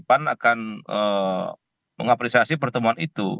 pan akan mengapresiasi pertemuan itu